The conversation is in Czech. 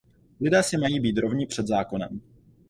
Lidé si mají být rovni před zákonem.